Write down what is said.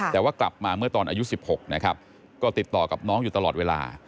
แต่ว่ากลับมาเมื่อตอนอายุ๑๖นะครับก็ติดต่อกับน้องอยู่ตลอดเวลา